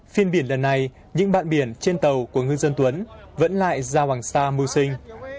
phiên biển đần này những bạn biển trên tàu của ngư dân tuấn vẫn lại ra hoàng sa mưu sinh